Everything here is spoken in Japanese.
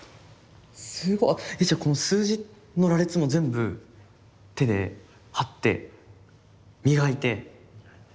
すごあっえじゃあこの数字の羅列も全部手で貼って磨いて。